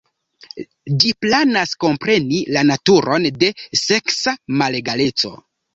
Ĝi planas kompreni la naturon de seksa malegaleco.